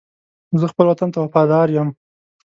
زه خپل وطن ته وفادار یم.